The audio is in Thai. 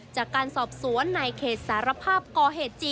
จากการสอบสวนนายเขตสารภาพก่อเหตุจริง